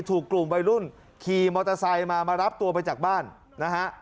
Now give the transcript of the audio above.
ถูกกลุ่มวัยรุ่นขี่มอเตอร์ไซค์มามารับตัวไปจากบ้านนะฮะ